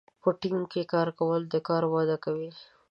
په ټیم کې کار کول د کار وده کوي.